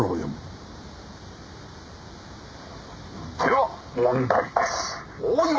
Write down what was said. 「では問題です」